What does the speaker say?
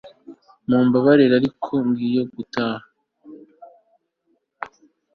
Mumbabarire ariko ngiye gutaha